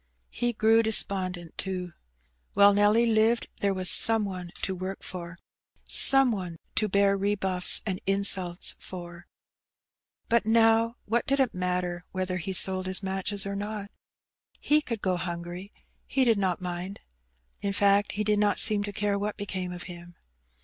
He grew despondent, too. While Nelly lived there was some one to work for^ some one to bear rebuffs and insults for; but now what did it matter whether he sold his matches or not ? He could go hungry ; he did not mind. In fact, he did not seem to care what became of him.